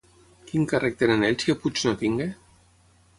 Quin càrrec tenen ells que Puig no tingui?